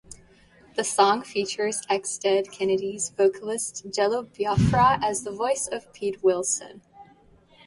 The song features ex-Dead Kennedys vocalist Jello Biafra as the voice of Pete Wilson.